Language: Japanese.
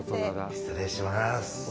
失礼します。